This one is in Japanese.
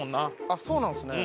あっそうなんですね。